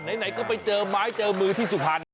ไหนก็ไปเจอไม้เจอมือที่สุพรรณ